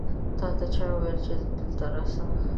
تا ته چا وویل چې دلته راسه؟